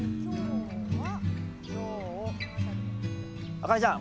あかねちゃん